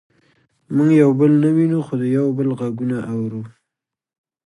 موږ یو بل نه وینو خو د یو بل غږونه اورو